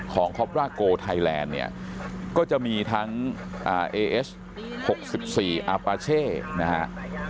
ของครอบราโกไทยแลนด์เนี่ยก็จะมีทั้งอ่าเอสหกสิบสี่อาปาเช่นะฮะ